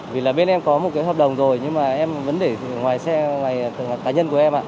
vì là bên em có một cái hợp đồng rồi nhưng mà em vẫn để ngoài xe ngoài cá nhân của em ạ